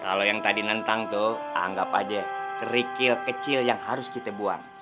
kalau yang tadi nentang tuh anggap aja kerikil kecil yang harus kita buang